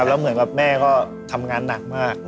แล้วเหมือนกับแม่ก็ทำงานหนักมาก